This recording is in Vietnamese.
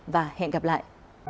và hẹn gặp lại